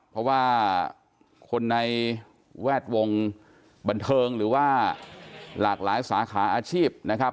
เพราะว่าคนในแวดวงบันเทิงหรือว่าหลากหลายสาขาอาชีพนะครับ